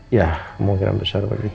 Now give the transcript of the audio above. ya mungkin yang besar begitu